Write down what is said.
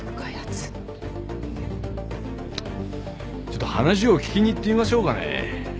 ちょっと話を聞きに行ってみましょうかね。